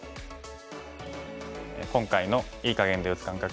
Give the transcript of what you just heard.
今回の“いい”かげんで打つ感覚